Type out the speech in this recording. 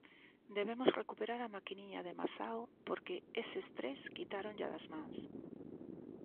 Debemos recuperar a maquiniña de Masao porque eses tres quitáronlla das mans